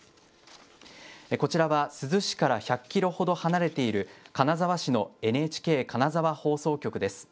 こちらは珠洲市から１００キロほど離れている金沢市のＮＨＫ金沢放送局です。